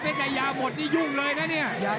ใจยาหมดนี่ยุ่งเลยนะเนี่ย